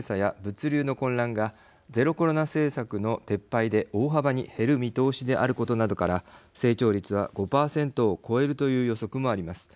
また、コロナ禍で相次いだ工場閉鎖や物流の混乱がゼロコロナ政策の撤廃で大幅に減る見通しであることなどから成長率は５％を超えるという予測もあります。